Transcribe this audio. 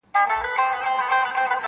چي له مځکي تر اسمانه پاچاهان یو-